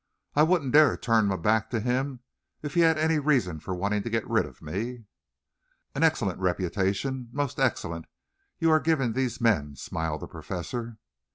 I wouldn't dare turn my back to him if he had any reason for wanting to get rid of me." "An excellent reputation, most excellent, you are giving these men," smiled the Professor.